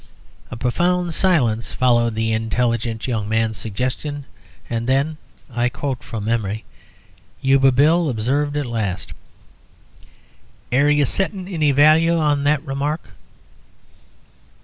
A profound silence followed the intelligent young man's suggestion, and then (I quote from memory) Yuba Bill observed at last: "Air you settin' any value on that remark?"